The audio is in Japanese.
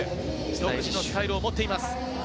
独自のスタイルを持っています。